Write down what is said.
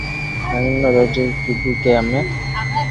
ھين اوڻي راجائي ڪآدو ڪي ھمي